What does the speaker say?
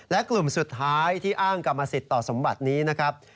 และกลุ่มสุดท้ายที่อ้างกรรมสิทธิ์ต่อสมบัตินี้นะครับ